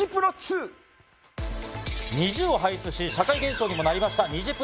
ＮｉｚｉＵを輩出し社会現象にもなりました。